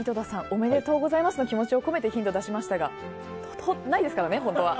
おめでとうございますの気持ちを込めてヒントを出しましたがないですからね、本当は。